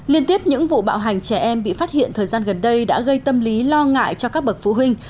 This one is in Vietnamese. liên tiếp những vụ bạo hành trẻ em bị phát hiện thời gian gần đây đã gây tâm lý lo ngại cho các bậc phụ huynh